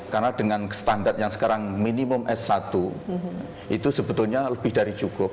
karena dengan standar yang sekarang minimum s satu itu sebetulnya lebih dari cukup